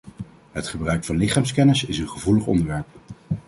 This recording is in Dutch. Het gebruik van lichaamsscanners is een gevoelig onderwerp.